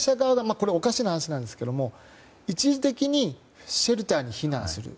これはおかしな話なんですけど一時的にシェルターに避難する。